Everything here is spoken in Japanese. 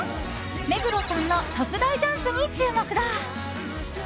目黒さんの特大ジャンプに注目だ。